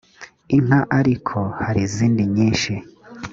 inka ariko hari izindi nyinshi